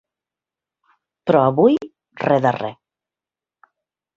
Però avui re de re.